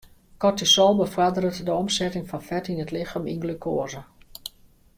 Kortisol befoarderet de omsetting fan fet yn it lichem yn glukoaze.